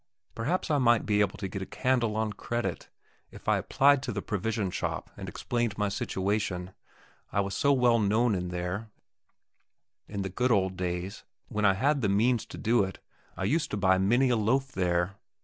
Perhaps I might be able to get a candle on credit, if I applied to the provision shop and explained my situation I was so well known in there; in the good old days, when I had the means to do it, I used to buy many a loaf there.